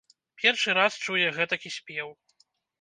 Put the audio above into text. Першы раз чуе гэтакі спеў.